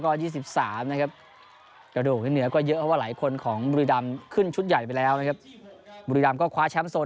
โยดูกต้นเหนือก็เยอะเพราะหลายคนของบูรีดามขึ้นชุดใหญ่ไปแล้ว